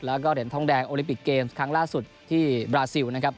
แล้วก็เหรียญทองแดงโอลิปิกเกมส์ครั้งล่าสุดที่บราซิลนะครับ